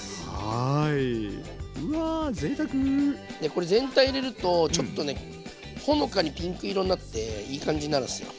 これ全体入れるとちょっとねほのかにピンク色になっていい感じになるんすよ。